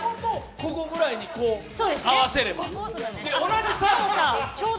ここぐらいで合わせれば。